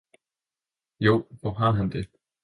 Ja, hvor har han det!